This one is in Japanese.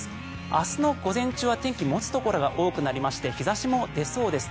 明日の午前中は天気、持つところが多くなりまして日差しも出そうです。